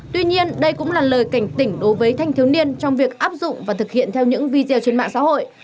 tuy nhiên đây cũng là lời cảnh tỉnh đối với thanh thiếu niên trong việc áp dụng và thực hiện theo những video trên mạng xã hội